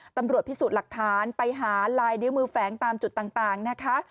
ตำรวจพิสูจน์หลักฐานไปหาลายนิ้วมือแฝงตามจุดต่างนะคะ